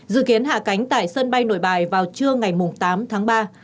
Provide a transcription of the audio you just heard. dự kiến hạ cánh tại sân bay nội bài vào trưa ngày tám tháng ba